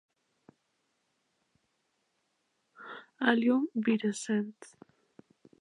Allium virescens